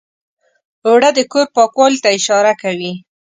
اوړه د کور پاکوالي ته اشاره کوي